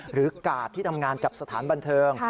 กาดที่ทำงานกับสถานบันเทิง